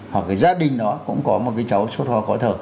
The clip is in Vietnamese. hoặc cái gia đình đó cũng có một cái cháu sốt hoa khó thở